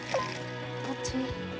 どっち？